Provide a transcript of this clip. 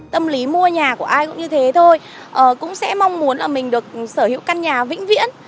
tâm lý mua nhà của ai cũng như thế thôi cũng sẽ mong muốn là mình được sở hữu căn nhà vĩnh viễn